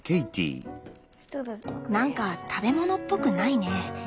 何か食べ物っぽくないね。